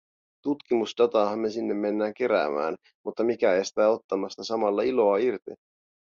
Tutkimusdataahan me sinne mennään keräämään, mutta mikä estää ottamasta samalla iloa irti?